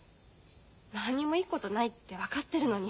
何にもいいことないって分かってるのに。